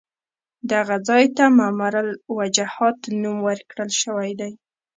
دغه ځای ته ممر الوجحات نوم ورکړل شوی دی.